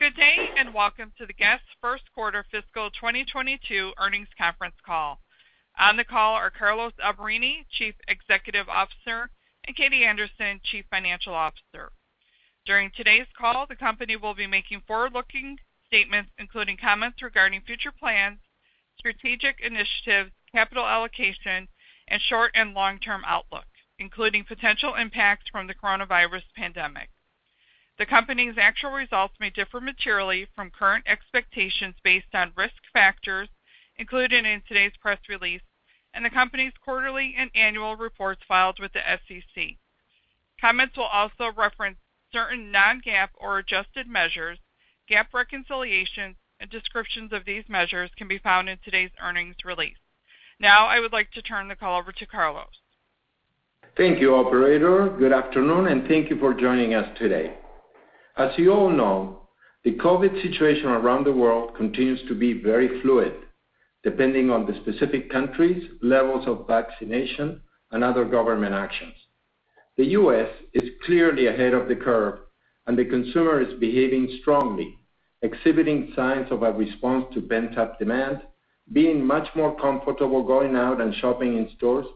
Good day, and welcome to the Guess? first quarter fiscal 2022 earnings conference call. On the call are Carlos Alberini, Chief Executive Officer, and Katie Anderson, Chief Financial Officer. During today's call, the company will be making forward-looking statements, including comments regarding future plans, strategic initiatives, capital allocation, and short and long-term outlook, including potential impact from the coronavirus pandemic. The company's actual results may differ materially from current expectations based on risk factors included in today's press release and the company's quarterly and annual reports filed with the SEC. Comments will also reference certain non-GAAP or adjusted measures. GAAP reconciliations and descriptions of these measures can be found in today's earnings release. Now I would like to turn the call over to Carlos. Thank you, operator. Good afternoon, and thank you for joining us today. As you all know, the COVID situation around the world continues to be very fluid, depending on the specific countries, levels of vaccination, and other government actions. The U.S. is clearly ahead of the curve, and the consumer is behaving strongly, exhibiting signs of a response to pent-up demand, being much more comfortable going out and shopping in stores,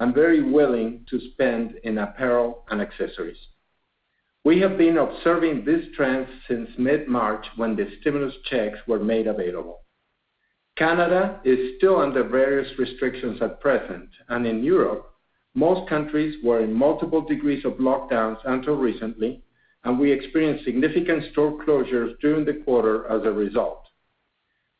and very willing to spend in apparel and accessories. We have been observing this trend since mid-March when the stimulus checks were made available. Canada is still under various restrictions at present, and in Europe, most countries were in multiple degrees of lockdowns until recently, and we experienced significant store closures during the quarter as a result.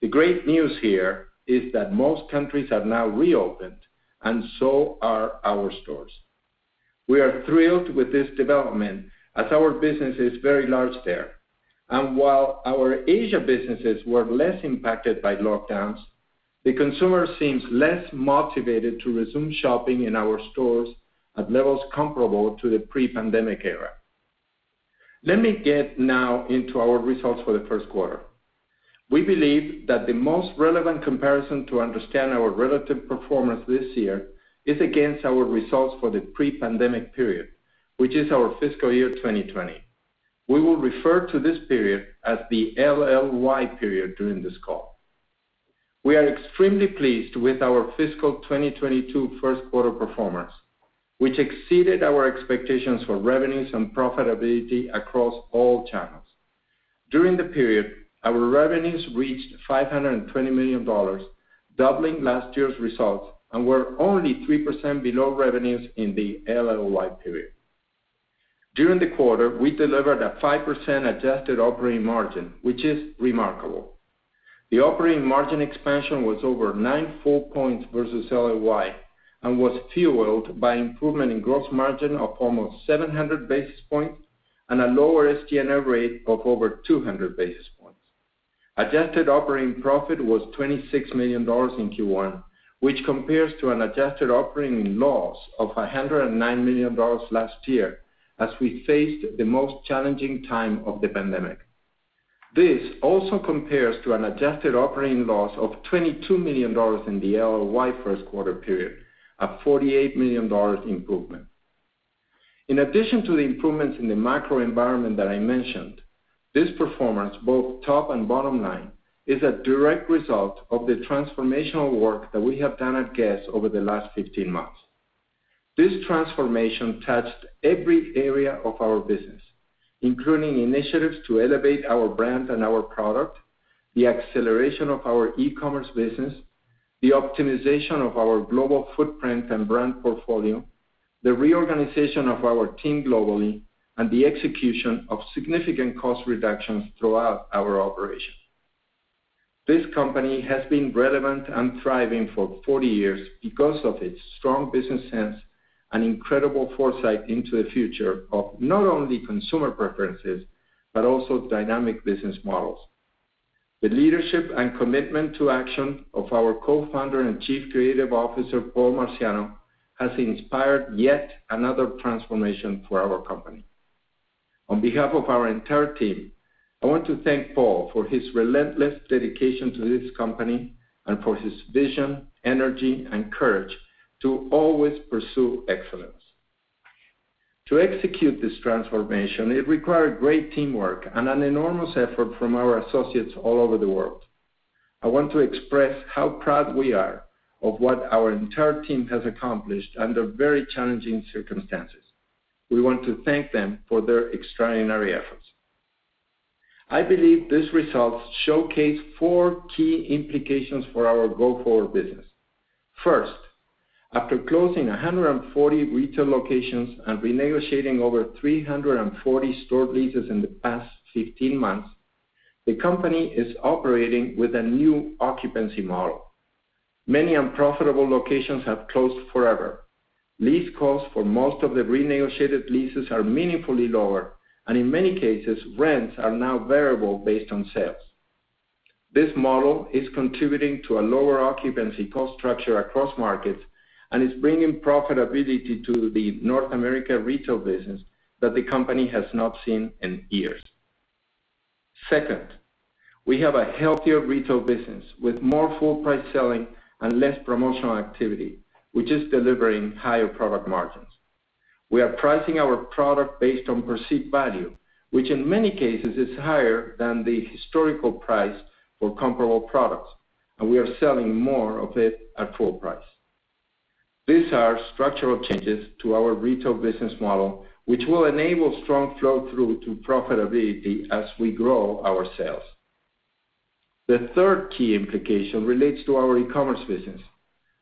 The great news here is that most countries have now reopened, and so are our stores. We are thrilled with this development as our business is very large there. While our Asia businesses were less impacted by lockdowns, the consumer seems less motivated to resume shopping in our stores at levels comparable to the pre-pandemic era. Let me get now into our results for the first quarter. We believe that the most relevant comparison to understand our relative performance this year is against our results for the pre-pandemic period, which is our fiscal year 2020. We will refer to this period as the LLY period during this call. We are extremely pleased with our fiscal 2022 first quarter performance, which exceeded our expectations for revenues and profitability across all channels. During the period, our revenues reached $520 million, doubling last year's results and were only 3% below revenues in the LLY period. During the quarter, we delivered a 5% adjusted operating margin, which is remarkable. The operating margin expansion was over nine full points versus LLY and was fueled by improvement in gross margin of almost 700 basis points and a lower SG&A rate of over 200 basis points. Adjusted operating profit was $26 million in Q1, which compares to an adjusted operating loss of $109 million last year as we faced the most challenging time of the pandemic. This also compares to an adjusted operating loss of $22 million in the LLY first quarter period, a $48 million improvement. In addition to the improvements in the macro environment that I mentioned, this performance, both top and bottom line, is a direct result of the transformational work that we have done at Guess? over the last 15 months. This transformation touched every area of our business, including initiatives to elevate our brand and our product, the acceleration of our e-commerce business, the optimization of our global footprint and brand portfolio, the reorganization of our team globally, and the execution of significant cost reductions throughout our operation. This company has been relevant and thriving for 40 years because of its strong business sense and incredible foresight into the future of not only consumer preferences, but also dynamic business models. The leadership and commitment to action of our Co-Founder and Chief Creative Officer, Paul Marciano, has inspired yet another transformation for our company. On behalf of our entire team, I want to thank Paul for his relentless dedication to this company and for his vision, energy, and courage to always pursue excellence. To execute this transformation, it required great teamwork and an enormous effort from our associates all over the world. I want to express how proud we are of what our entire team has accomplished under very challenging circumstances. We want to thank them for their extraordinary efforts. I believe these results showcase four key implications for our go-forward business. First, after closing 140 retail locations and renegotiating over 340 store leases in the past 15 months, the company is operating with a new occupancy model. Many unprofitable locations have closed forever. Lease costs for most of the renegotiated leases are meaningfully lower, and in many cases, rents are now variable based on sales. This model is contributing to a lower occupancy cost structure across markets and is bringing profitability to the North America retail business that the company has not seen in years. Second, we have a healthier retail business with more full price selling and less promotional activity, which is delivering higher product margins. We are pricing our product based on perceived value, which in many cases is higher than the historical price for comparable products, and we are selling more of it at full price. These are structural changes to our retail business model, which will enable strong flow-through to profitability as we grow our sales. The third key implication relates to our e-commerce business.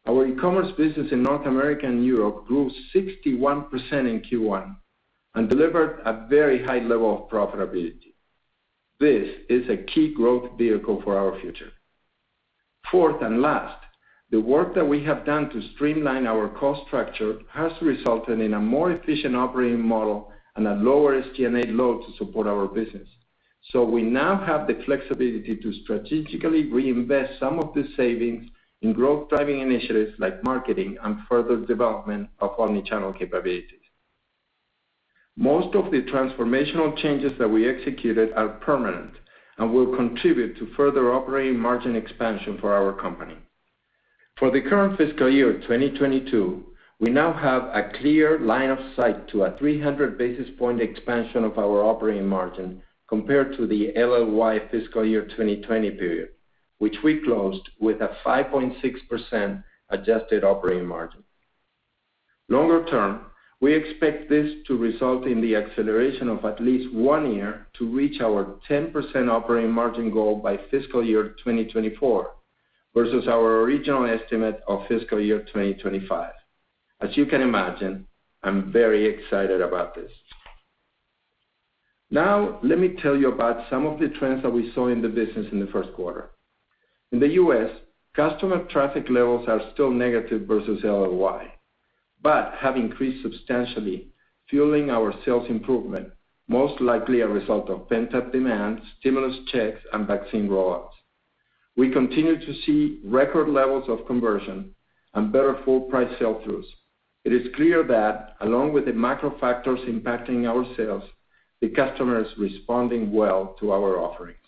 Our e-commerce business in North America and Europe grew 61% in Q1 and delivered a very high level of profitability. This is a key growth vehicle for our future. Fourth and last, the work that we have done to streamline our cost structure has resulted in a more efficient operating model and a lower SG&A load to support our business. We now have the flexibility to strategically reinvest some of the savings in growth-driving initiatives like marketing and further development of omni-channel capabilities. Most of the transformational changes that we executed are permanent and will contribute to further operating margin expansion for our company. For the current fiscal year 2022, we now have a clear line of sight to a 300 basis point expansion of our operating margin compared to the LLY fiscal year 2020 period, which we closed with a 5.6% adjusted operating margin. Longer term, we expect this to result in the acceleration of at least one year to reach our 10% operating margin goal by FY 2024 versus our original estimate of FY 2025. As you can imagine, I'm very excited about this. Let me tell you about some of the trends that we saw in the business in the first quarter. In the U.S., customer traffic levels are still negative versus LLY, but have increased substantially, fueling our sales improvement, most likely a result of pent-up demand, stimulus checks, and vaccine rollouts. We continue to see record levels of conversion and better full-price sell-throughs. It is clear that, along with the macro factors impacting our sales, the customer is responding well to our offerings.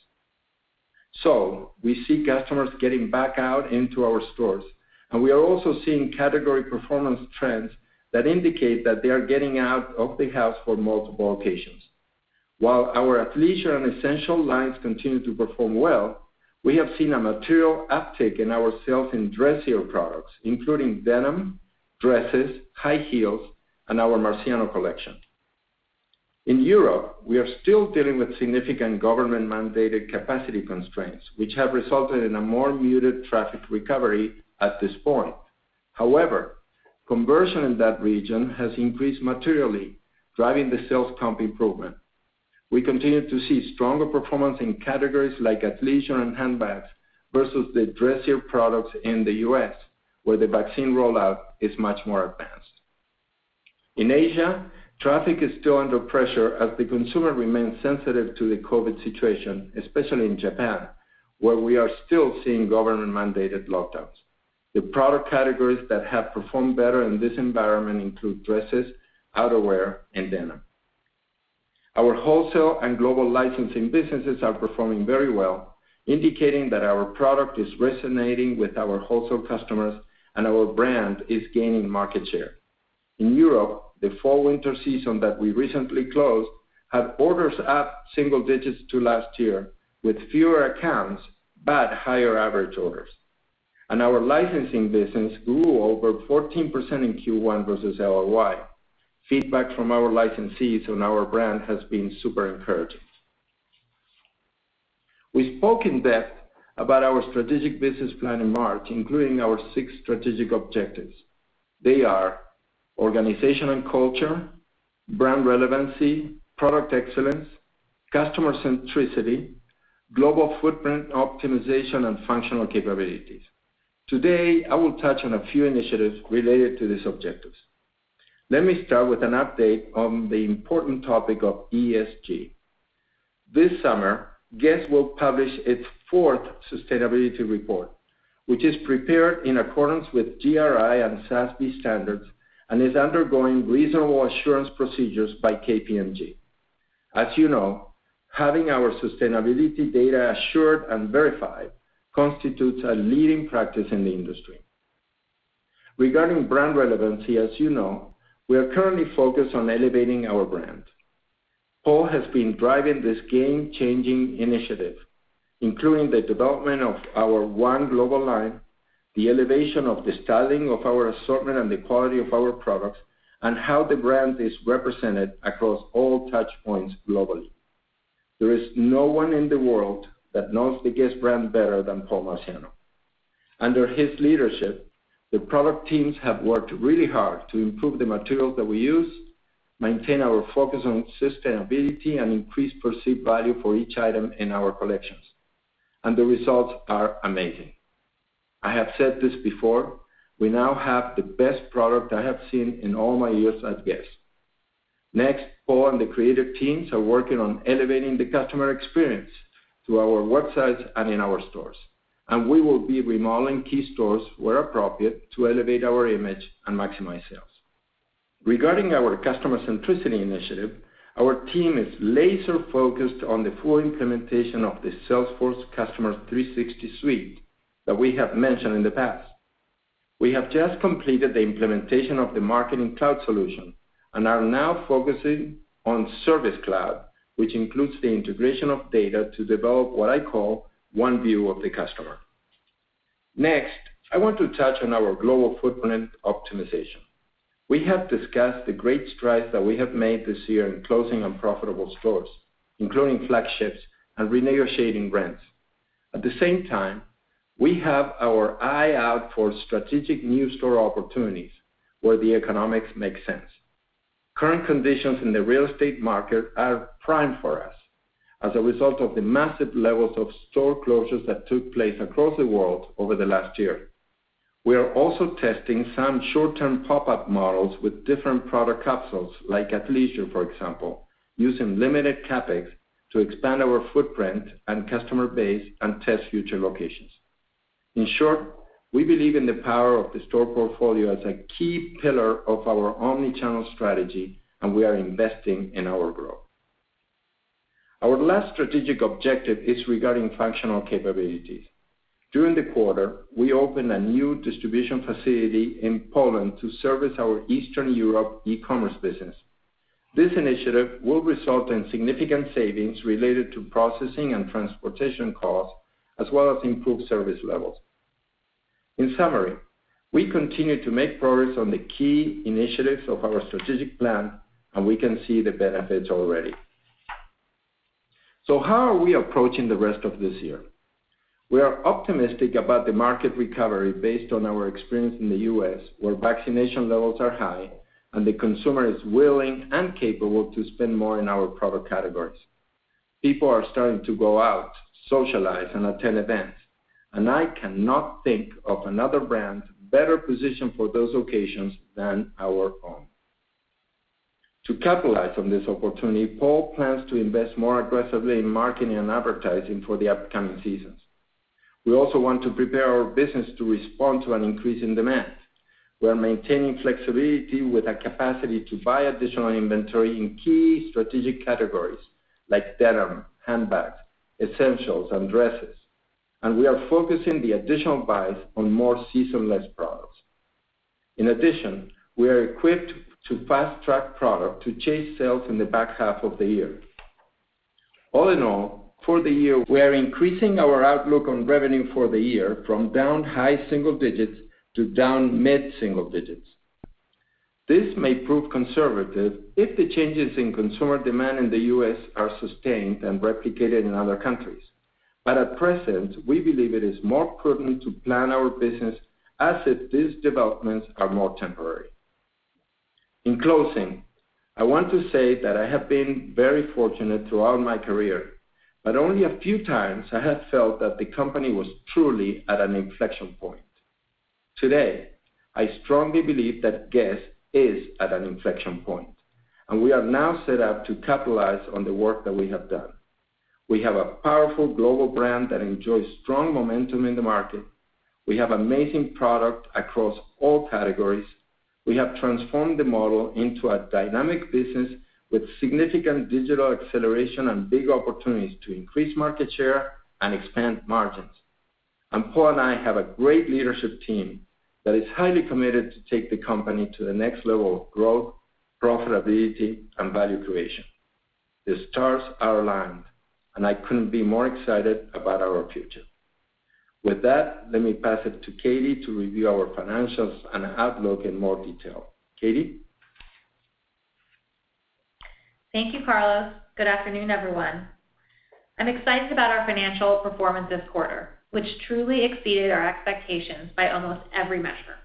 We see customers getting back out into our stores, and we are also seeing category performance trends that indicate that they are getting out of the house for multiple occasions. While our athleisure and Essentials lines continue to perform well, we have seen a material uptick in our sales in dressier products, including denim, dresses, high heels, and our Marciano collection. In Europe, we are still dealing with significant government-mandated capacity constraints, which have resulted in a more muted traffic recovery at this point. However, conversion in that region has increased materially, driving the sales comp improvement. We continue to see stronger performance in categories like athleisure and handbags versus the dressier products in the U.S., where the vaccine rollout is much more advanced. In Asia, traffic is still under pressure as the consumer remains sensitive to the COVID situation, especially in Japan, where we are still seeing government-mandated lockdowns. The product categories that have performed better in this environment include dresses, outerwear, and denim. Our wholesale and global licensing businesses are performing very well, indicating that our product is resonating with our wholesale customers and our brand is gaining market share. In Europe, the fall-winter season that we recently closed had orders up single digits to last year, with fewer accounts but higher average orders. Our licensing business grew over 14% in Q1 versus LLY. Feedback from our licensees on our brand has been super encouraging. We spoke in depth about our strategic business plan in March, including our six strategic objectives. They are organization and culture, brand relevancy, product excellence, customer centricity, global footprint optimization, and functional capabilities. Today, I will touch on a few initiatives related to these objectives. Let me start with an update on the important topic of ESG. This summer, Guess will publish its fourth sustainability report, which is prepared in accordance with GRI and SASB standards and is undergoing reasonable assurance procedures by KPMG. As you know, having our sustainability data assured and verified constitutes a leading practice in the industry. Regarding brand relevancy, as you know, we are currently focused on elevating our brand. Paul has been driving this game-changing initiative, including the development of our one global line, the elevation of the styling of our assortment and the quality of our products, and how the brand is represented across all touch points globally. There is no one in the world that knows the Guess brand better than Paul Marciano. Under his leadership, the product teams have worked really hard to improve the materials that we use, maintain our focus on sustainability, and increase perceived value for each item in our collections. The results are amazing. I have said this before, we now have the best product I have seen in all my years at Guess?. Next, Paul and the creative teams are working on elevating the customer experience through our websites and in our stores. We will be remodeling key stores where appropriate to elevate our image and maximize sales. Regarding our customer centricity initiative, our team is laser focused on the full implementation of the Salesforce Customer 360 suite that we have mentioned in the past. We have just completed the implementation of the Marketing Cloud solution and are now focusing on Service Cloud, which includes the integration of data to develop what I call One View of the customer. Next, I want to touch on our global footprint optimization. We have discussed the great strides that we have made this year in closing unprofitable stores, including flagships and renegotiating rents. At the same time, we have our eye out for strategic new store opportunities where the economics make sense. Current conditions in the real estate market are prime for us as a result of the massive levels of store closures that took place across the world over the last year. We are also testing some short-term pop-up models with different product capsules like athleisure, for example, using limited CapEx to expand our footprint and customer base and test future locations. In short, we believe in the power of the store portfolio as a key pillar of our omni-channel strategy. We are investing in our growth. Our last strategic objective is regarding functional capabilities. During the quarter, we opened a new distribution facility in Poland to service our Eastern Europe e-commerce business. This initiative will result in significant savings related to processing and transportation costs, as well as improved service levels. In summary, we continue to make progress on the key initiatives of our strategic plan. We can see the benefits already. How are we approaching the rest of this year? We are optimistic about the market recovery based on our experience in the U.S., where vaccination levels are high and the consumer is willing and capable to spend more in our product categories. People are starting to go out, socialize, and attend events, I cannot think of another brand better positioned for those occasions than our own. To capitalize on this opportunity, Paul plans to invest more aggressively in marketing and advertising for the upcoming seasons. We also want to prepare our business to respond to an increase in demand. We are maintaining flexibility with a capacity to buy additional inventory in key strategic categories like denim, handbags, Essentials, and dresses. We are focusing the additional buys on more seasonless products. In addition, we are equipped to fast-track product to chase sales in the back half of the year. All in all, for the year, we are increasing our outlook on revenue for the year from down high single digits to down mid-single digits. This may prove conservative if the changes in consumer demand in the U.S. are sustained and replicated in other countries. At present, we believe it is more prudent to plan our business as if these developments are more temporary. In closing, I want to say that I have been very fortunate throughout my career, but only a few times I have felt that the company was truly at an inflection point. Today, I strongly believe that Guess is at an inflection point, and we are now set up to capitalize on the work that we have done. We have a powerful global brand that enjoys strong momentum in the market. We have amazing product across all categories. We have transformed the model into a dynamic business with significant digital acceleration and big opportunities to increase market share and expand margins. Paul and I have a great leadership team that is highly committed to take the company to the next level of growth, profitability, and value creation. The stars are aligned, and I couldn't be more excited about our future. With that, let me pass it to Katie to review our financials and outlook in more detail. Katie? Thank you, Carlos. Good afternoon, everyone. I'm excited about our financial performance this quarter, which truly exceeded our expectations by almost every measure.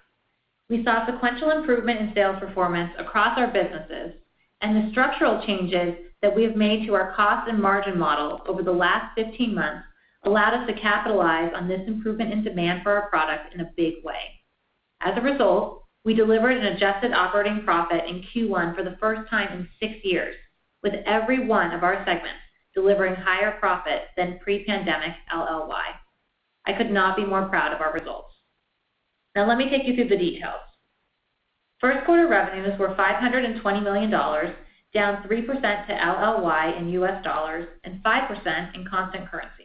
We saw sequential improvement in sales performance across our businesses, and the structural changes that we have made to our cost and margin model over the last 15 months allowed us to capitalize on this improvement in demand for our products in a big way. As a result, we delivered an adjusted operating profit in Q1 for the first time in six years, with every one of our segments delivering higher profit than pre-pandemic LLY. I could not be more proud of our results. Now, let me take you through the details. First quarter revenues were $520 million, down 3% to LLY in US dollars and 5% in constant currency.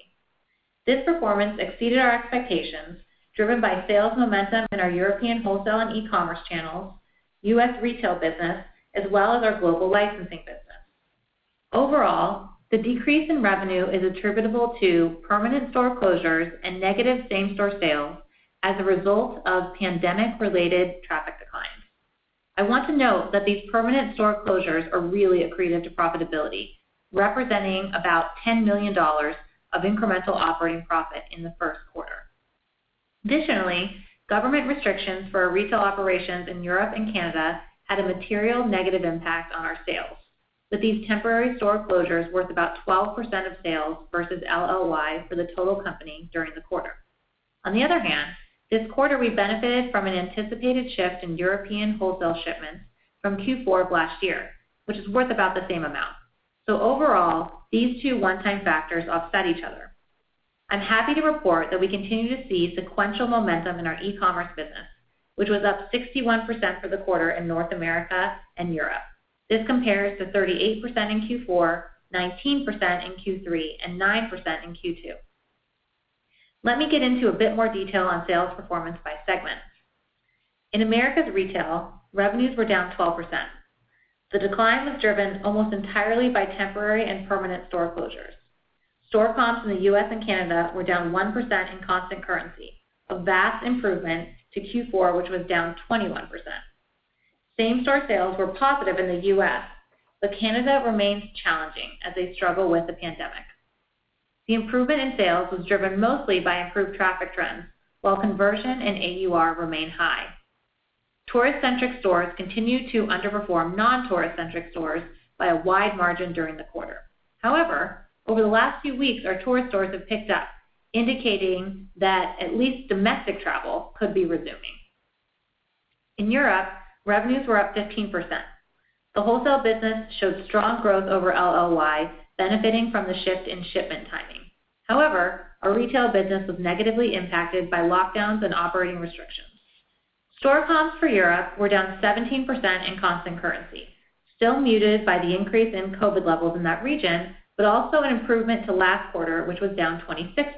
This performance exceeded our expectations, driven by sales momentum in our European wholesale and e-commerce channels, U.S. retail business, as well as our global licensing business. Overall, the decrease in revenue is attributable to permanent store closures and negative same-store sales as a result of pandemic-related traffic declines. I want to note that these permanent store closures are really accretive to profitability, representing about $10 million of incremental operating profit in the first quarter. Government restrictions for our retail operations in Europe and Canada had a material negative impact on our sales, with these temporary store closures worth about 12% of sales versus LLY for the total company during the quarter. This quarter, we benefited from an anticipated shift in European wholesale shipments from Q4 of last year, which is worth about the same amount. Overall, these two one-time factors offset each other. I'm happy to report that we continue to see sequential momentum in our e-commerce business, which was up 61% for the quarter in North America and Europe. This compares to 38% in Q4, 19% in Q3, and 9% in Q2. Let me get into a bit more detail on sales performance by segment. In Americas Retail, revenues were down 12%. The decline was driven almost entirely by temporary and permanent store closures. Store comps in the U.S. and Canada were down 1% in constant currency, a vast improvement to Q4, which was down 21%. Same-store sales were positive in the U.S., Canada remains challenging as they struggle with the pandemic. The improvement in sales was driven mostly by improved traffic trends, while conversion and AUR remain high. Tourist-centric stores continued to underperform non-tourist-centric stores by a wide margin during the quarter. Over the last few weeks, our tourist stores have picked up, indicating that at least domestic travel could be resuming. In Europe, revenues were up 15%. The wholesale business showed strong growth over LLY, benefiting from the shift in shipment timing. Our retail business was negatively impacted by lockdowns and operating restrictions. Store comps for Europe were down 17% in constant currency, still muted by the increase in COVID levels in that region, but also an improvement to last quarter, which was down 26%.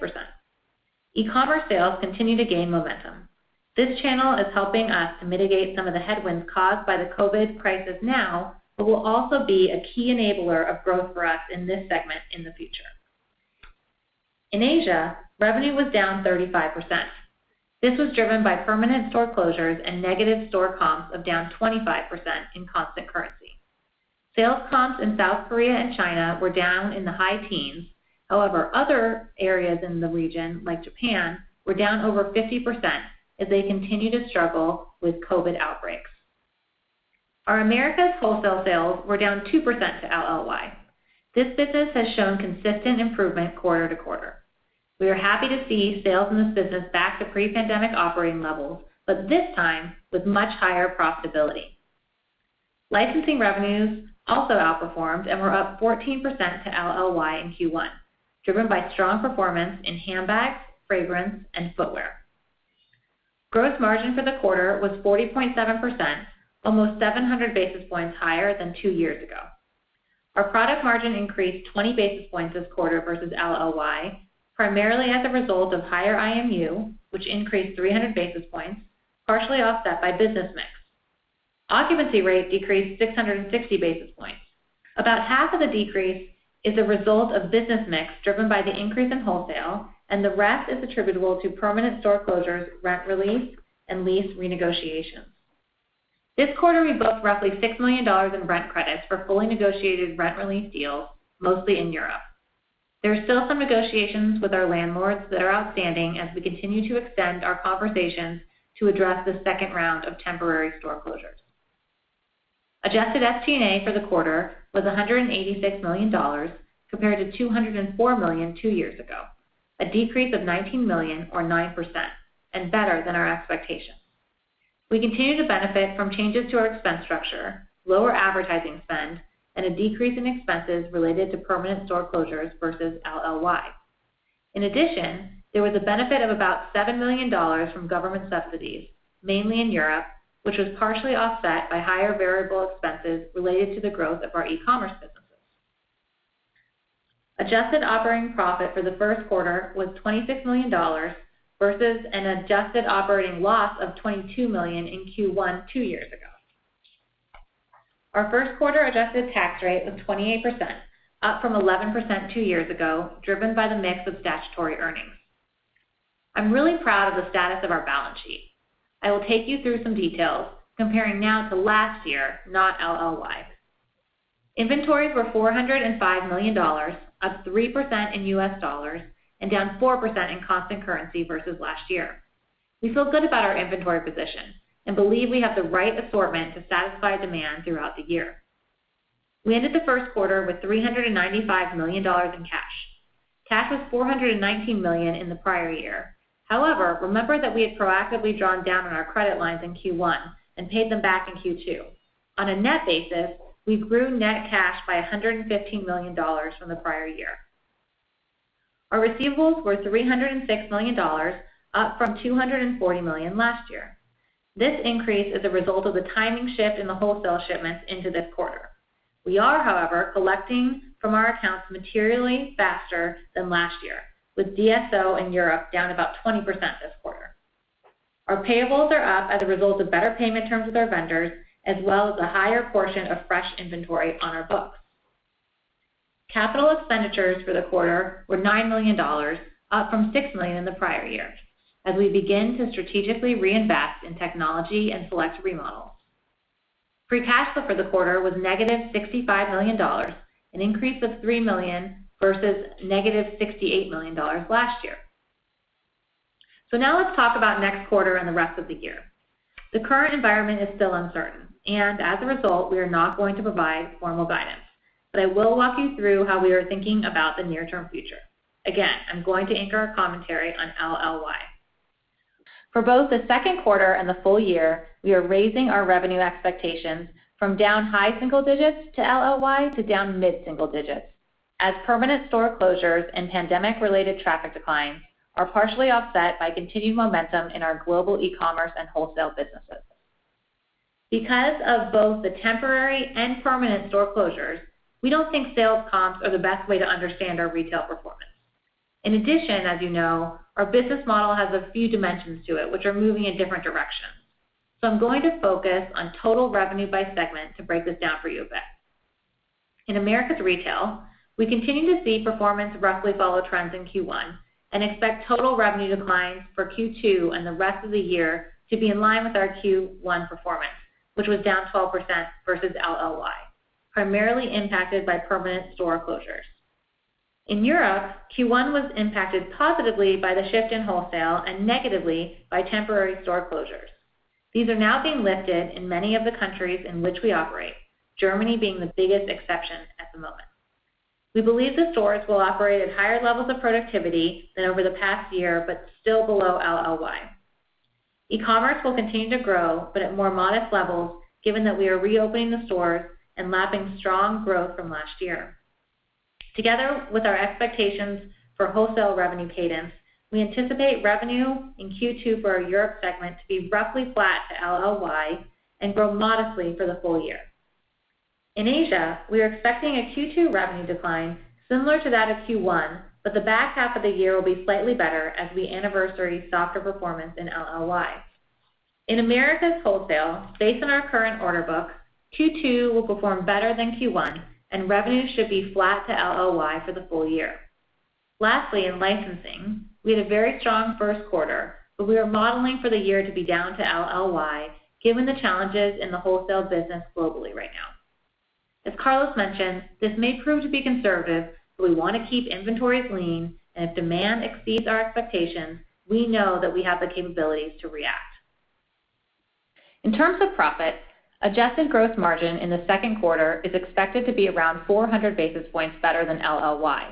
E-commerce sales continue to gain momentum. This channel is helping us to mitigate some of the headwinds caused by the COVID crisis now, but will also be a key enabler of growth for us in this segment in the future. In Asia, revenue was down 35%. This was driven by permanent store closures and negative store comps of down 25% in constant currency. Sales comps in South Korea and China were down in the high teens. Other areas in the region, like Japan, were down over 50% as they continue to struggle with COVID outbreaks. Our Americas Wholesale sales were down 2% to LLY. This business has shown consistent improvement quarter-to-quarter. We are happy to see sales in this business back to pre-pandemic operating levels, but this time with much higher profitability. Licensing revenues also outperformed and were up 14% to LLY in Q1, driven by strong performance in handbags, fragrance, and footwear. Gross margin for the quarter was 40.7%, almost 700 basis points higher than two years ago. Our product margin increased 20 basis points this quarter versus LLY, primarily as a result of higher IMU, which increased 300 basis points, partially offset by business mix. Occupancy rate decreased 660 basis points. About half of the decrease is a result of business mix driven by the increase in wholesale, and the rest is attributable to permanent store closures, rent release, and lease renegotiations. This quarter, we booked roughly $6 million in rent credits for fully negotiated rent release deals, mostly in Europe. There are still some negotiations with our landlords that are outstanding as we continue to extend our conversations to address the second round of temporary store closures. Adjusted SG&A for the quarter was $186 million compared to $204 million two years ago, a decrease of $19 million or 9% and better than our expectations. We continue to benefit from changes to our expense structure, lower advertising spend, and a decrease in expenses related to permanent store closures versus LLY. In addition, there was a benefit of about $7 million from government subsidies, mainly in Europe, which was partially offset by higher variable expenses related to the growth of our e-commerce businesses. Adjusted operating profit for the first quarter was $26 million versus an adjusted operating loss of $22 million in Q1 two years ago. Our first quarter adjusted tax rate was 28%, up from 11% two years ago, driven by the mix of statutory earnings. I'm really proud of the status of our balance sheet. I will take you through some details comparing now to last year, not LLY. Inventories were $405 million, up 3% in U.S. dollars and down 4% in constant currency versus last year. We feel good about our inventory position and believe we have the right assortment to satisfy demand throughout the year. We ended the first quarter with $395 million in cash. Cash was $419 million in the prior year. Remember that we had proactively drawn down on our credit lines in Q1 and paid them back in Q2. On a net basis, we grew net cash by $115 million from the prior year. Our receivables were $306 million, up from $240 million last year. This increase is a result of the timing shift in the wholesale shipments into this quarter. We are, however, collecting from our accounts materially faster than last year, with DSO in Europe down about 20% this quarter. Our payables are up as a result of better payment terms with our vendors as well as a higher portion of fresh inventory on our books. Capital expenditures for the quarter were $9 million, up from $6 million in the prior year as we begin to strategically reinvest in technology and select remodels. Free cash flow for the quarter was -$65 million, an increase of $3 million versus -$68 million last year. Now let's talk about next quarter and the rest of the year. The current environment is still uncertain, and as a result, we are not going to provide formal guidance. I will walk you through how we are thinking about the near-term future. Again, I'm going to anchor our commentary on LLY. For both the second quarter and the full year, we are raising our revenue expectations from down high single digits to LLY to down mid-single digits as permanent store closures and pandemic-related traffic declines are partially offset by continued momentum in our global e-commerce and wholesale businesses. Because of both the temporary and permanent store closures, we don't think sales comps are the best way to understand our retail performance. In addition, as you know, our business model has a few dimensions to it, which are moving in different directions. I'm going to focus on total revenue by segment to break this down for you a bit. In Americas Retail, we continue to see performance roughly follow trends in Q1 and expect total revenue declines for Q2 and the rest of the year to be in line with our Q1 performance, which was down 12% versus LLY, primarily impacted by permanent store closures. In Europe, Q1 was impacted positively by the shift in wholesale and negatively by temporary store closures. These are now being lifted in many of the countries in which we operate, Germany being the biggest exception at the moment. We believe the stores will operate at higher levels of productivity than over the past year, but still below LLY. E-commerce will continue to grow, but at more modest levels given that we are reopening the stores and lapping strong growth from last year. Together with our expectations for wholesale revenue cadence, we anticipate revenue in Q2 for our Europe segment to be roughly flat to LLY and grow modestly for the full year. In Asia, we are expecting a Q2 revenue decline similar to that of Q1, but the back half of the year will be slightly better as we anniversary softer performance in LLY. In Americas Wholesale, based on our current order book, Q2 will perform better than Q1, and revenue should be flat to LLY for the full year. Lastly, in licensing, we had a very strong first quarter. We are modeling for the year to be down to LLY given the challenges in the wholesale business globally right now. As Carlos mentioned, this may prove to be conservative. We wanna keep inventories lean. If demand exceeds our expectations, we know that we have the capabilities to react. In terms of profit, adjusted gross margin in the second quarter is expected to be around 400 basis points better than LLY,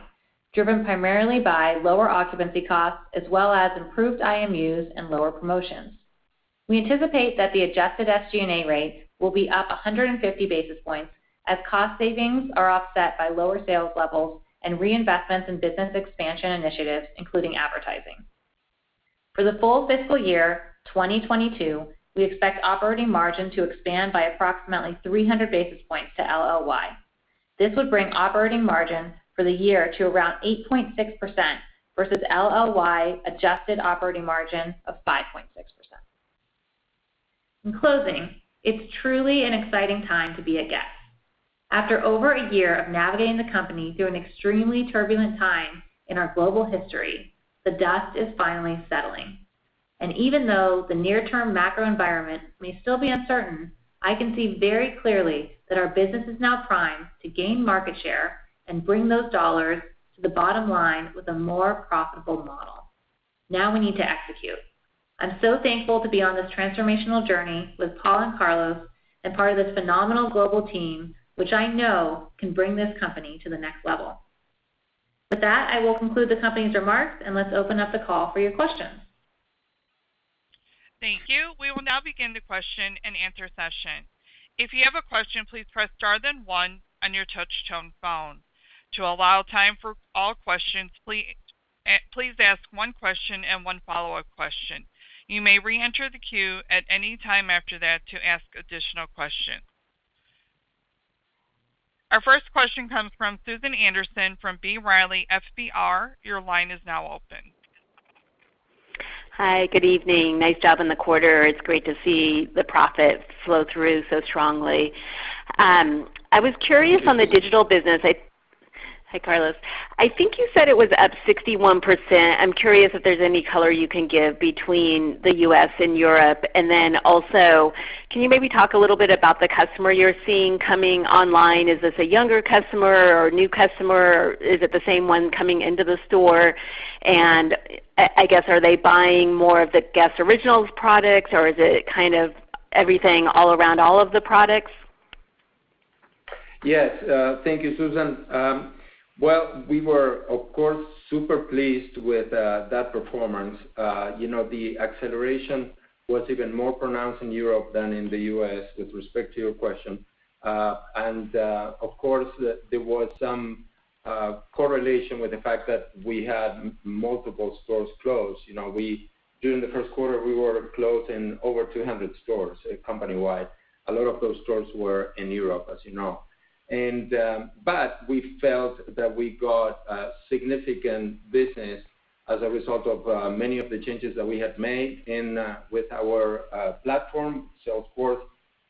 driven primarily by lower occupancy costs as well as improved IMUs and lower promotions. We anticipate that the adjusted SG&A rate will be up 150 basis points as cost savings are offset by lower sales levels and reinvestments in business expansion initiatives, including advertising. For the full fiscal year 2022, we expect operating margin to expand by approximately 300 basis points to LLY. This would bring operating margin for the year to around 8.6% versus LLY adjusted operating margin of 5.6%. In closing, it's truly an exciting time to be a Guess?. After over a year of navigating the company through an extremely turbulent time in our global history, the dust is finally settling. Even though the near-term macro environment may still be uncertain, I can see very clearly that our business is now primed to gain market share and bring those dollars to the bottom line with a more profitable model. Now we need to execute. I'm so thankful to be on this transformational journey with Paul and Carlos and part of this phenomenal global team, which I know can bring this company to the next level. With that, I will conclude the company's remarks, and let's open up the call for your questions. Thank you. We will now begin the question and answer session. If you have a question, please press star then one on your touch tone phone. To allow time for all questions, please ask one question and one follow-up question. You may reenter the queue at any time after that to ask additional questions. Our first question comes from Susan Anderson from B. Riley FBR. Your line is now open. Hi, good evening. Nice job in the quarter. It's great to see the profit flow through so strongly. I was curious on the digital business. Hi, Carlos. I think you said it was up 61%. I'm curious if there's any color you can give between the U.S. and Europe. Also, can you maybe talk a little bit about the customer you're seeing coming online. Is this a younger customer or a new customer? Is it the same one coming into the store? I guess, are they buying more of the Guess Originals products, or is it kind of everything all around all of the products? Yes. Thank you, Susan. Well, we were, of course, super pleased with that performance. You know, the acceleration was even more pronounced in Europe than in the U.S. with respect to your question. Of course, there was some correlation with the fact that we had multiple stores closed. You know, during the first quarter, we were closing over 200 stores company-wide. A lot of those stores were in Europe, as you know. We felt that we got a significant business as a result of many of the changes that we had made in with our platform. Salesforce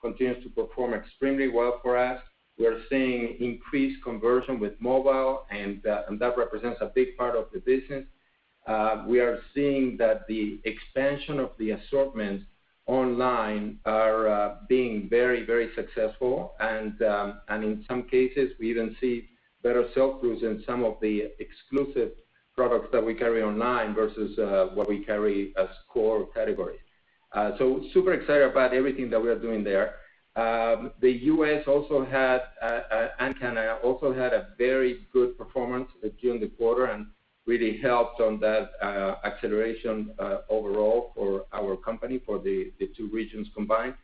continues to perform extremely well for us. We are seeing increased conversion with mobile, and that represents a big part of the business. We are seeing that the expansion of the assortments online are being very, very successful. In some cases, we even see better sell-throughs in some of the exclusive products that we carry online versus what we carry as core categories. Super excited about everything that we are doing there. The U.S. and Canada also had a very good performance during the quarter and really helped on that acceleration overall for our company for the two regions combined.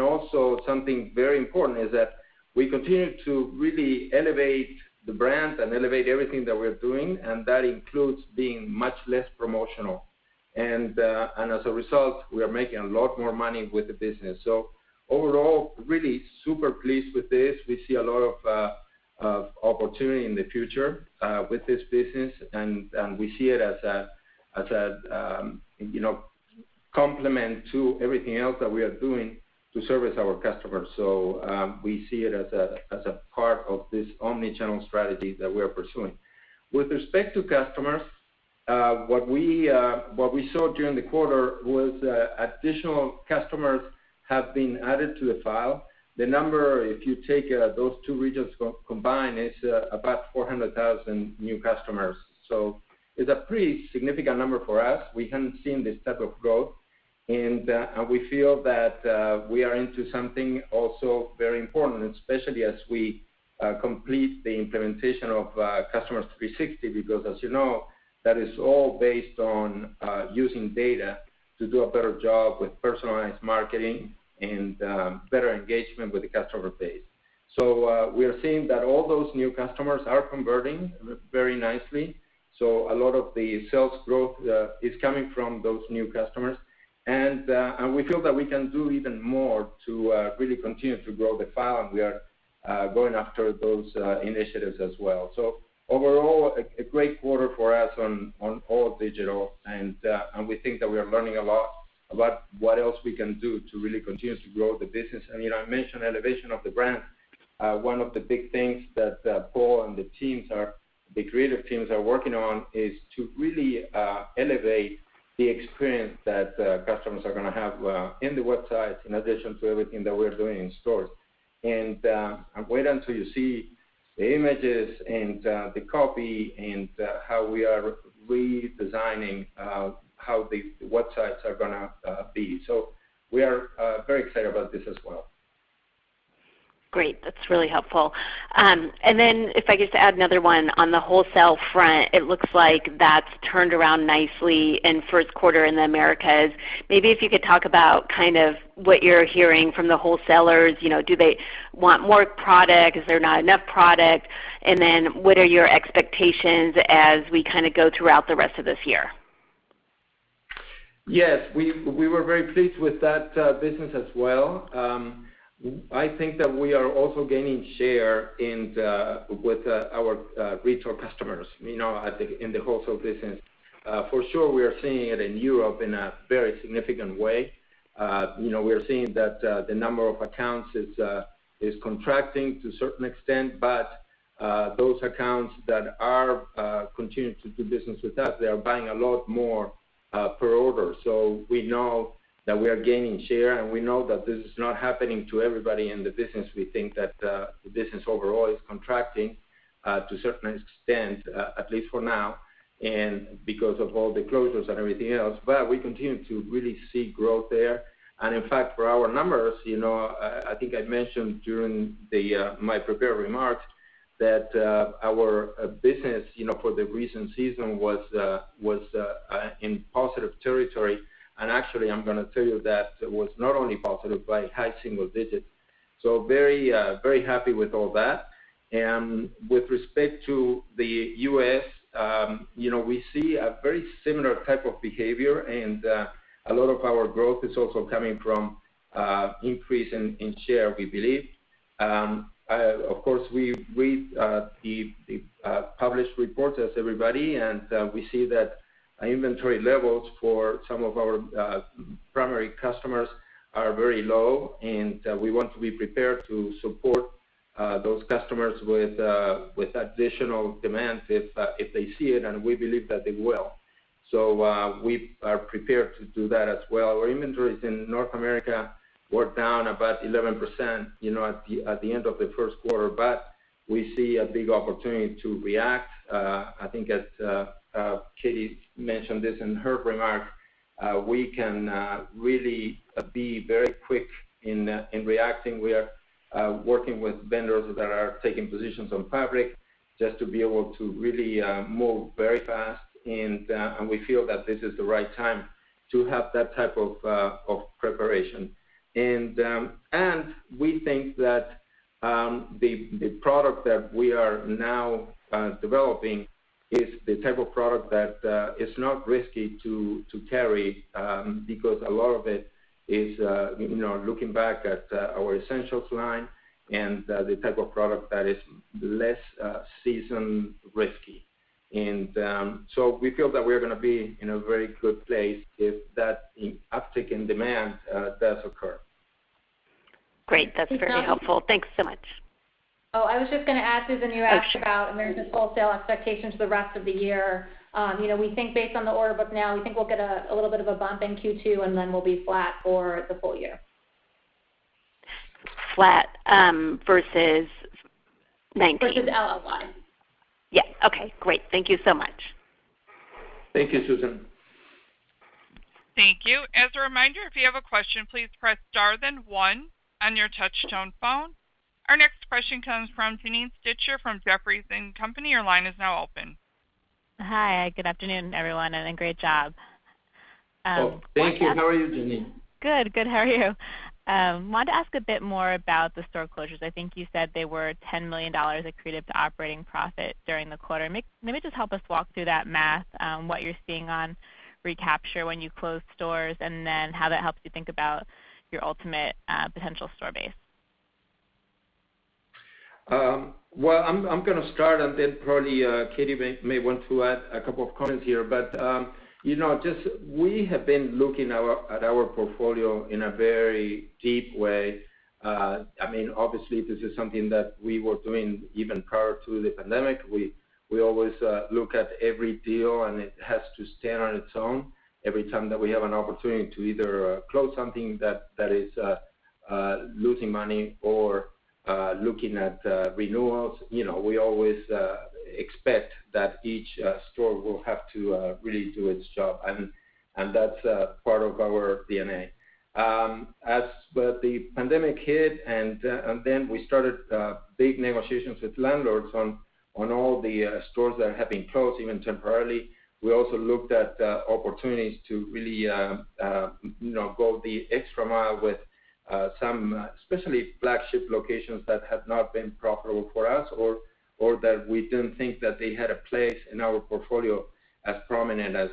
Also something very important is that we continue to really elevate the brand and elevate everything that we're doing, and that includes being much less promotional. As a result, we are making a lot more money with the business. Overall, really super pleased with this. We see a lot of opportunity in the future with this business, and we see it as a, as a, you know, complement to everything else that we are doing to service our customers. We see it as a part of this omni-channel strategy that we are pursuing. With respect to customers, what we saw during the quarter was additional customers have been added to the file. The number, if you take those two regions combined, is about 400,000 new customers. It's a pretty significant number for us. We haven't seen this type of growth. We feel that we are into something also very important, especially as we complete the implementation of Customer 360 because as you know, that is all based on using data to do a better job with personalized marketing and better engagement with the customer base. We are seeing that all those new customers are converting very nicely. A lot of the sales growth is coming from those new customers. We feel that we can do even more to really continue to grow the file, and we are going after those initiatives as well. Overall, a great quarter for us on all digital and we think that we are learning a lot about what else we can do to really continue to grow the business. You know, I mentioned elevation of the brand. One of the big things that Paul and the creative teams are working on is to really elevate the experience that customers are gonna have in the website in addition to everything that we're doing in stores. Wait until you see the images and the copy and how we are redesigning how the websites are gonna be. We are very excited about this as well. Great. That's really helpful. If I could just add another one. On the wholesale front, it looks like that's turned around nicely in first quarter in the Americas. Maybe if you could talk about kind of what you're hearing from the wholesalers. You know, do they want more product? Is there not enough product? Then what are your expectations as we kind of go throughout the rest of this year? Yes. We were very pleased with that business as well. I think that we are also gaining share with our retail customers, you know, in the wholesale business. For sure we are seeing it in Europe in a very significant way. You know, we are seeing that the number of accounts is contracting to certain extent, but those accounts that are continuing to do business with us, they are buying a lot more per order. We know that we are gaining share, and we know that this is not happening to everybody in the business. We think that the business overall is contracting to certain extent, at least for now, and because of all the closures and everything else. We continue to really see growth there. In fact, for our numbers, you know, I think I mentioned during the my prepared remarks that our business, you know, for the recent season was, in positive territory. Actually, I'm gonna tell you that it was not only positive but high single digits. Very, very happy with all that. With respect to the U.S., you know, we see a very similar type of behavior, and a lot of our growth is also coming from increase in share, we believe. Of course, we read the published reports as everybody, we see that inventory levels for some of our primary customers are very low, we want to be prepared to support those customers with additional demands if they see it, and we believe that they will. We are prepared to do that as well. Our inventories in North America were down about 11%, you know, at the end of the first quarter, but we see a big opportunity to react. I think as Katie mentioned this in her remarks, we can really be very quick in reacting. We are working with vendors that are taking positions on fabric just to be able to really move very fast, and we feel that this is the right time to have that type of preparation. We think that the product that we are now developing is the type of product that is not risky to carry because a lot of it is, you know, looking back at our Essentials line and the type of product that is less season risky. We feel that we're gonna be in a very good place if that uptick in demand does occur. Great. That's very helpful. Hey, Susan. Thanks so much. I was just going to add, Susan, you asked about Americas Wholesale expectations for the rest of the year. You know, we think based on the order book now, we think we'll get a little bit of a bump in Q2, and then we'll be flat for the full year. Flat, versus 2019. Versus LLY. Yeah. Okay, great. Thank you so much. Thank you, Susan. Thank you. As a reminder, if you have a question, please press star then one on your touch tone phone. Our next question comes from Janine Stichter from Jefferies and Company. Your line is now open. Hi, good afternoon, everyone, and a great job. Oh, thank you. How are you, Janine? Good. Good. How are you? I wanted to ask a bit more about the store closures. I think you said they were $10 million accretive to operating profit during the quarter. Maybe just help us walk through that math, what you're seeing on recapture when you close stores, and then how that helps you think about your ultimate potential store base. Well, I'm gonna start, and then probably Katie may want to add a couple of comments here. You know, just we have been looking at our portfolio in a very deep way. I mean, obviously this is something that we were doing even prior to the pandemic. We always look at every deal, and it has to stand on its own. Every time that we have an opportunity to either close something that is losing money or looking at renewals, you know, we always expect that each store will have to really do its job. That's part of our DNA. The pandemic hit. We started big negotiations with landlords on all the stores that have been closed even temporarily. We also looked at opportunities to really, you know, go the extra mile with some especially flagship locations that have not been profitable for us or that we didn't think that they had a place in our portfolio as prominent as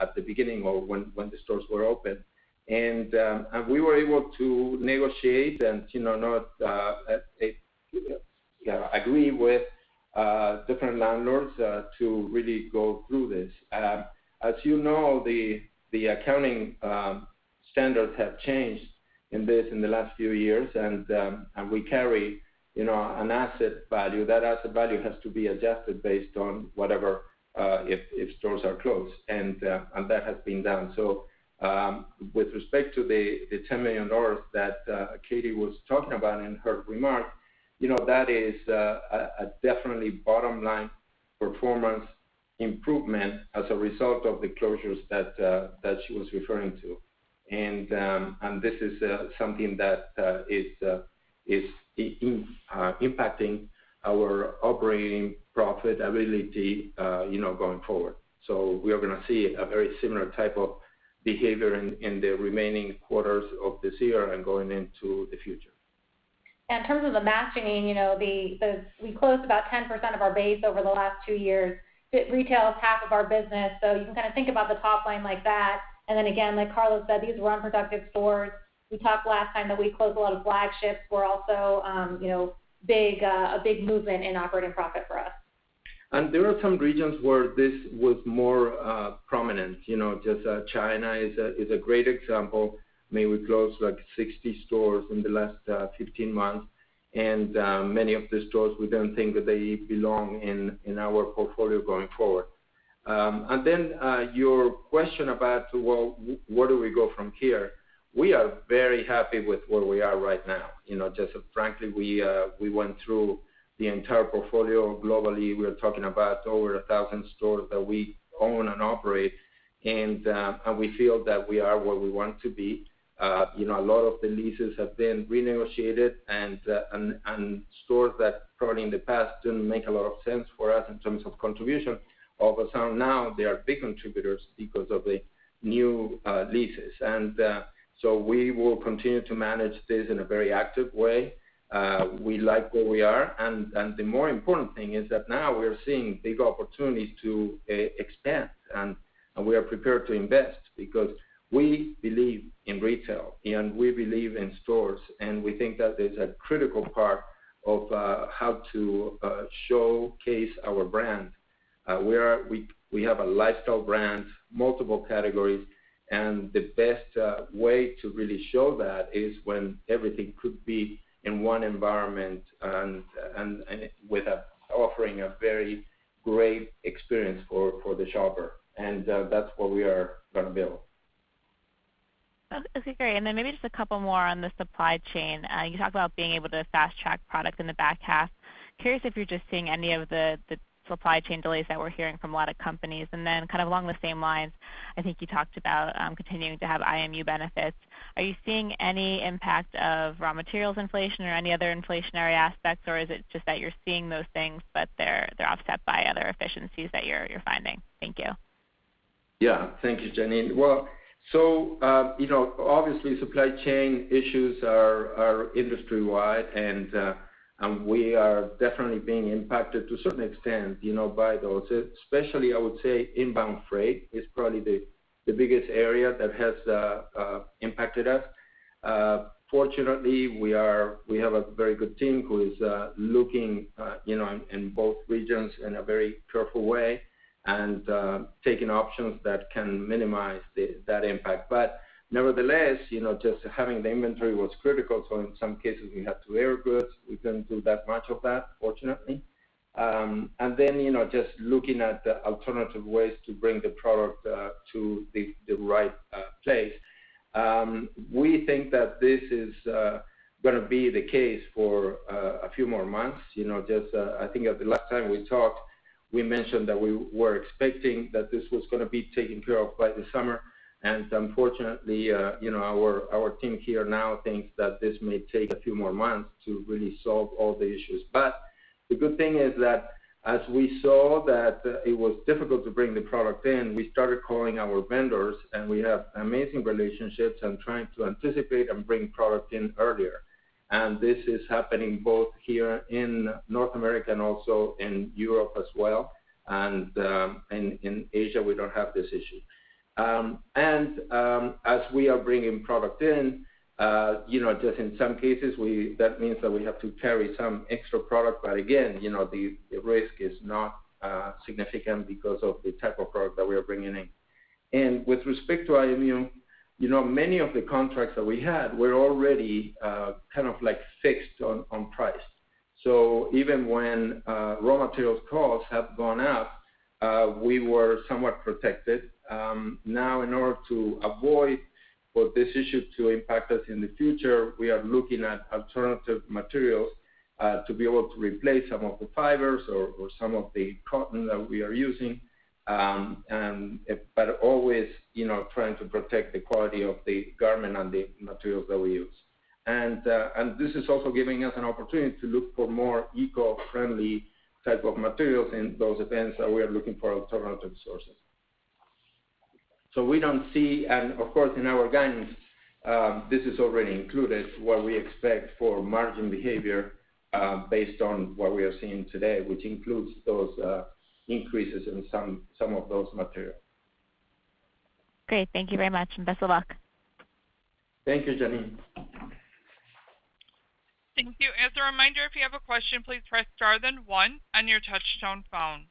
at the beginning or when the stores were open. We were able to negotiate and, you know, not agree with different landlords to really go through this. As you know, the accounting standards have changed in the last few years. We carry, you know, an asset value. That asset value has to be adjusted based on whatever, if stores are closed. That has been done. With respect to the $10 million that Katie was talking about in her remarks, you know, that is a definitely bottom line performance improvement as a result of the closures that she was referring to. This is something that is impacting our operating profitability, you know, going forward. We are gonna see a very similar type of behavior in the remaining quarters of this year and going into the future. Yeah, in terms of the matching, you know, We closed about 10% of our base over the last two years. Americas Retail is half of our business, you can kinda think about the top line like that. Again, like Carlos said, these were unproductive stores. We talked last time that we closed a lot of flagships were also, you know, a big movement in operating profit for us. There are some regions where this was more prominent. You know, China is a great example. I mean, we closed like 60 stores in the last 15 months. Many of the stores, we don't think that they belong in our portfolio going forward. Your question about, well, where do we go from here, we are very happy with where we are right now. You know, frankly, we went through the entire portfolio globally. We are talking about over 1,000 stores that we own and operate. We feel that we are where we want to be. You know, a lot of the leases have been renegotiated. Stores that probably in the past didn't make a lot of sense for us in terms of contribution, all of a sudden now they are big contributors because of the new leases. We will continue to manage this in a very active way. We like where we are. The more important thing is that now we are seeing big opportunities to expand, and we are prepared to invest because we believe in retail, and we believe in stores. We think that is a critical part of how to showcase our brand. We have a lifestyle brand, multiple categories, and the best way to really show that is when everything could be in one environment offering a very great experience for the shopper. That's what we are gonna build. Okay, great. Maybe just a couple more on the supply chain. You talked about being able to fast track product in the back half. Curious if you're just seeing any of the supply chain delays that we're hearing from a lot of companies. Kind of along the same lines, I think you talked about continuing to have IMU benefits. Are you seeing any impact of raw materials inflation or any other inflationary aspects, or is it just that you're seeing those things but they're offset by other efficiencies that you're finding? Thank you. Thank you, Janine. You know, obviously supply chain issues are industry-wide. We are definitely being impacted to a certain extent, you know, by those, especially, I would say, inbound freight is probably the biggest area that has impacted us. Fortunately, we have a very good team who is looking, you know, in both regions in a very careful way and taking options that can minimize that impact. Nevertheless, you know, just having the inventory was critical. In some cases, we had to air goods. We couldn't do that much of that, fortunately. You know, just looking at the alternative ways to bring the product to the right place. We think that this is gonna be the case for a few more months. You know, just, I think at the last time we talked, we mentioned that we were expecting that this was gonna be taken care of by the summer. Unfortunately, you know, our team here now thinks that this may take a few more months to really solve all the issues. The good thing is that as we saw that it was difficult to bring the product in, we started calling our vendors, and we have amazing relationships and trying to anticipate and bring product in earlier. This is happening both here in North America and also in Europe as well. In Asia, we don't have this issue. As we are bringing product in, you know, just in some cases that means that we have to carry some extra product. Again, you know, the risk is not significant because of the type of product that we are bringing in. With respect to IMU, you know, many of the contracts that we had were already kind of like fixed on price. Even when raw materials costs have gone up, we were somewhat protected. Now in order to avoid for this issue to impact us in the future, we are looking at alternative materials to be able to replace some of the fibers or some of the cotton that we are using. Always, you know, trying to protect the quality of the garment and the materials that we use. This is also giving us an opportunity to look for more eco-friendly type of materials in those events that we are looking for alternative sources. Of course, in our guidance, this is already included what we expect for margin behavior, based on what we are seeing today, which includes those increases in some of those materials. Great. Thank you very much, and best of luck. Thank you, Janine. Thank you. As a reminder, if you have a question, please press star then one on your touchtone phone.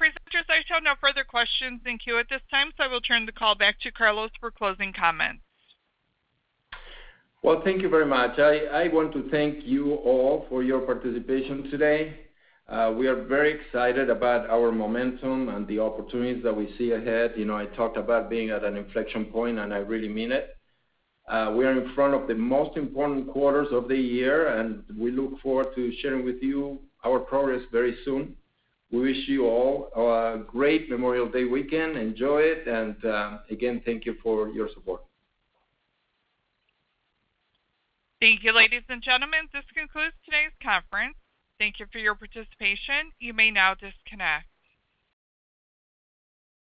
Presenters, I show no further questions in queue at this time, so I will turn the call back to Carlos for closing comments. Well, thank you very much. I want to thank you all for your participation today. We are very excited about our momentum and the opportunities that we see ahead. You know, I talked about being at an inflection point. I really mean it. We are in front of the most important quarters of the year. We look forward to sharing with you our progress very soon. We wish you all a great Memorial Day weekend. Enjoy it. Again, thank you for your support. Thank you, ladies and gentlemen. This concludes today's conference. Thank you for your participation. You may now disconnect.